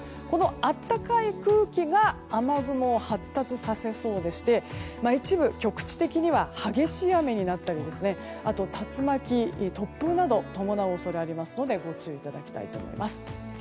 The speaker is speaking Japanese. この暖かい空気が雨雲を発達させそうでして一部、局地的には激しい雨になったりあと、竜巻、突風などを伴う恐れがありますのでご注意いただきたいと思います。